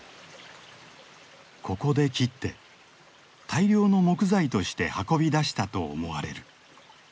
ここで切って大量の木材として運び出したと思われる。